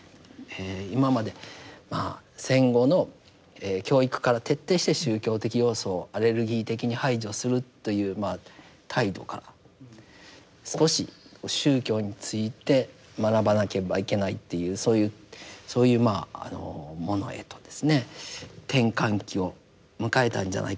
今まで戦後の教育から徹底して宗教的要素をアレルギー的に排除するという態度から少し宗教について学ばなければいけないっていうそういうものへとですね転換期を迎えたんじゃないか。